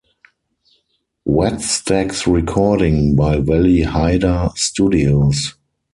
Wattstax recording by Wally Heider Studios.